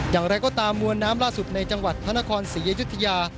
อย่างไรก็ตามมวลน้ำล่าสุดในจังหวัดพระนครศรีอยุธยา